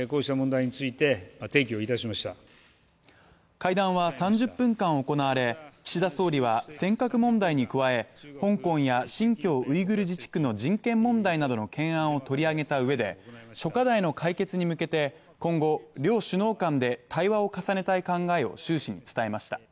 会談は３０分間行われ、岸田総理は尖閣問題に加え、香港や新疆ウイグル自治区などの人権問題などの懸案を取り上げたうえで、諸課題の解決に向けて今後、両首脳間で対話を重ねたい考えを習氏に伝えました。